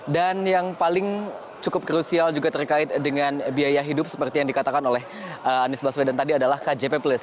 dan yang paling cukup krusial juga terkait dengan biaya hidup seperti yang dikatakan oleh anies baswedan tadi adalah kjp plus